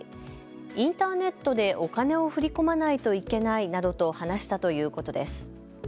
インターネットでお金を振り込まないといけないなどと話したということです。